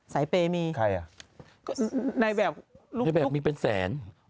ในแบบมีเป็นแสน